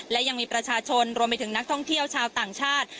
และยังมีประชาชนรวมไปถึงนักท่องเที่ยวชาวต่างชาติ